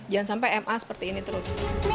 jangan sampai ma seperti ini terus